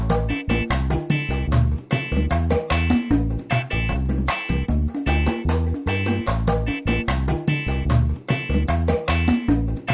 aku mau pulang